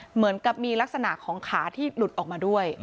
เหมือนกับมีลักษณะของขาที่หลุดออกมาด้วย